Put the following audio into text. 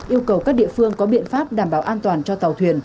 yêu cầu các địa phương có biện pháp đảm bảo an toàn cho tàu thuyền